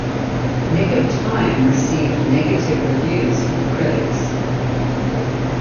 "Nick of Time" received negative reviews from critics.